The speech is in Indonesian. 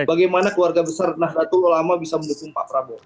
bagaimana keluarga besar nahdlatul ulama bisa mendukung pak prabowo